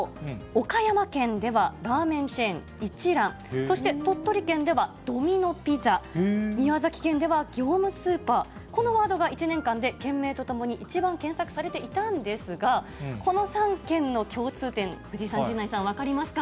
岡山県では、ラーメンチェーン、一蘭、そして鳥取県ではドミノ・ピザ、宮崎県では業務スーパー、このワードが１年間で県名とともに一番検索されていたんですが、この３県の共通点、藤井さん、陣内さん、分かりますか？